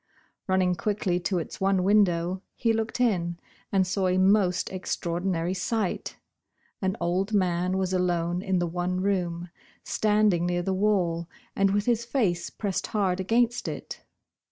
Running quickly to its one window, he looked in, and saw a most extraordinary sight An old man was alone in the one room, standing near the wall and with his face pressed hard against it.